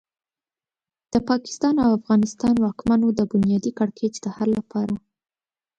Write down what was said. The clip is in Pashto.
د پاکستان او افغانستان واکمنو د بنیادي کړکېچ د حل لپاره.